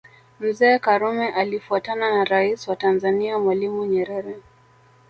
Mzee Karume alifuatana na Rais wa Tanzania Mwalimu Nyerere